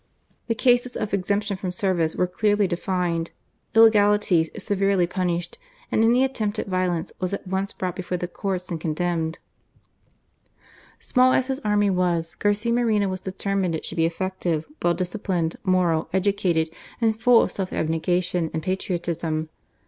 The cases of exemption from service were clearly defined, illegalities severely punished, and any attempt at violence was at once brought before the courts and condemned. Small as his army was. 124 GARCIA MORENO. Garcia Moreno was determined it should be effective, well disciplined, moral, educated, and full of self abnegation and patriotism.